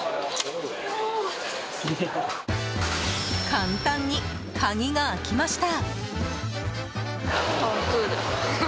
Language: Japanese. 簡単に鍵が開きました。